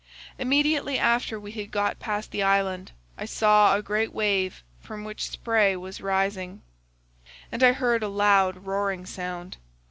"Immediately after we had got past the island I saw a great wave from which spray was rising, and I heard a loud roaring sound.